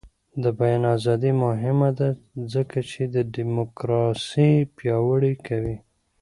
د بیان ازادي مهمه ده ځکه چې دیموکراسي پیاوړې کوي.